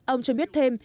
ông cho biết thêm